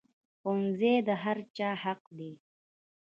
ښوونځی د هر چا حق دی